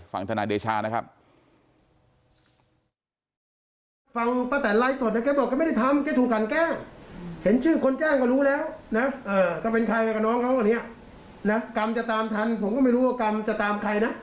ฝั่งธนาในเดชานะครับ